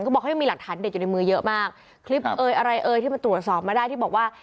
ก็บอกว่ามีหลักฐานเด็ดอยู่ในมือเยอะมากคลิปอะไรที่มันตรวจสอบมาได้ที่บอกว่า